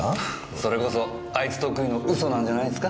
それこそあいつ得意の嘘なんじゃないすか？